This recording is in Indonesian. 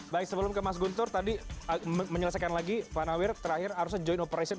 baik sebelum ke mas guntur tadi menyelesaikan lagi pak nawir terakhir harusnya joint operation